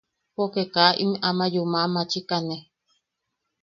Poke kaa im ama yuma machikane.